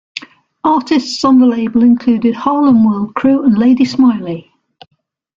Artists on the label included Harlem World Crew and Lady Smiley.